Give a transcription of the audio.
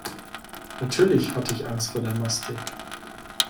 Natürlich hatte ich Angst vor der Mastek.